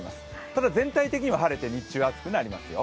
ただ全体的には晴れて日中は暑くなりますよ。